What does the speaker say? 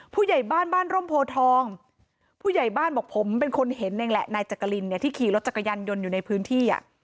ผู้ใหญ่บ้านบ้านร่มโพทองผู้ใหญ่บ้านบอกผมเป็นคนเห็นเองแหละนายจักรินเนี่ยที่ขี่รถจักรยานยนต์อยู่ในพื้นที่